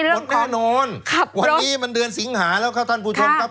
หมดแน่นอนวันนี้มันเดือนสิงหาแล้วครับท่านผู้ชมครับ